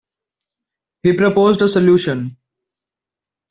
He proposed a solution.